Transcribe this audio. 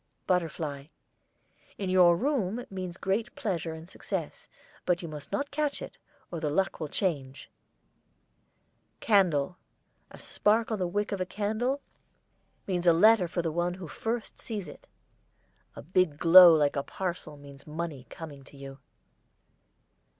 BUTTERFLY. In your room means great pleasure and success, but you must not catch it, or the luck will change. CANDLE. A spark on the wick of a candle means a letter for the one who first sees it. A big glow like a parcel means money coming to you.